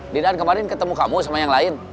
didan kemarin ketemu kamu sama yang lain